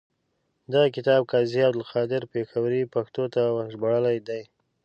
دغه کتاب قاضي عبدالقادر پیښوري پښتو ته ژباړلی دی.